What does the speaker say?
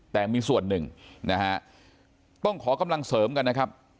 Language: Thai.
แต่มีส่วนหนึ่งนะฮะต้องขอกำลังเสริมกันนะครับ